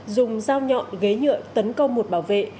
dùng dao nhọn ghế nhựa tấn công một bảo vệ